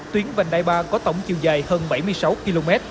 tuyến vành đai ba có tổng chiều dài hơn bảy mươi sáu km